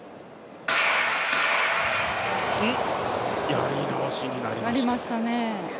やり直しになりました。